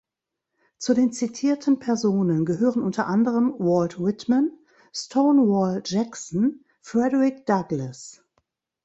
Zu den zitierten Personen gehören unter anderem Walt Whitman, Stonewall Jackson, Frederick Douglass.